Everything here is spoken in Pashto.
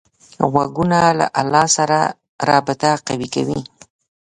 غوږونه له الله سره رابطه قوي کوي